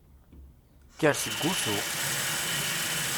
Kker seg usu!